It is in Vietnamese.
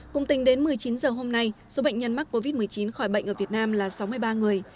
cùng tình đến một mươi chín giờ hôm nay số bệnh nhân mắc covid một mươi chín khỏi bệnh ở việt nam là sáu mươi ba người